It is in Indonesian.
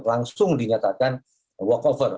langsung dinyatakan work over